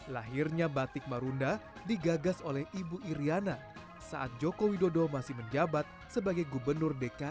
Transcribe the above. lahirnya batik marunda digagas oleh ibu iryana saat joko widodo masih menjabat sebagai gubernur dki jakarta